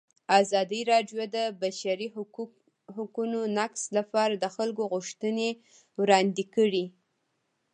ازادي راډیو د د بشري حقونو نقض لپاره د خلکو غوښتنې وړاندې کړي.